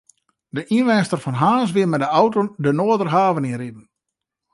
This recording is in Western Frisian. De ynwenster fan Harns wie mei de auto de Noarderhaven yn riden.